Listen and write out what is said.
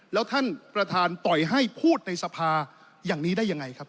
แล้วท่านประธานปล่อยให้พูดในสภาอย่างนี้ได้ยังไงครับ